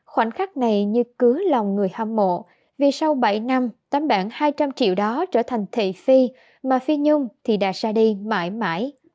khoảnh khắc này như cứu lòng người hâm mộ vì sau bảy năm tắm bản hai trăm linh triệu đó trở thành thị phi mà phi nhung thì đã xa đi mãi mãi